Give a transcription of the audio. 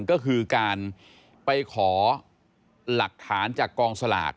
ก็คือการไปขอหลักฐานจากกองสลาก